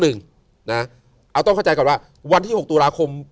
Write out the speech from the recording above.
เอาต้องเข้าใจก่อนว่าวันที่๖ตุลาคม